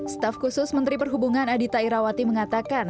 staf khusus menteri perhubungan adita irawati mengatakan